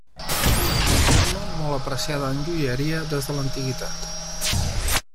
És una gemma molt apreciada en joieria des de l'antiguitat.